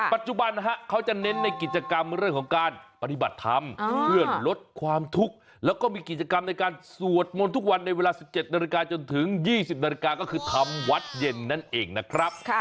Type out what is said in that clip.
ปัจจุบันเขาจะเน้นในกิจกรรมเรื่องของการปฏิบัติธรรมเพื่อลดความทุกข์แล้วก็มีกิจกรรมในการสวดมนต์ทุกวันในเวลา๑๗นาฬิกาจนถึง๒๐นาฬิกาก็คือทำวัดเย็นนั่นเองนะครับ